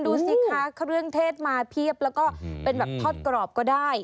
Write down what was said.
ดูสิคะเครื่องเทศมาเพียบแล้วก็เป็นแบบทอดกรอบก็ได้